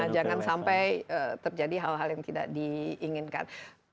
jangan sampai terjadi hal hal yang tidak diinginkan